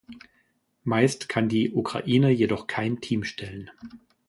Meist kann die Ukraine jedoch kein Team stellen.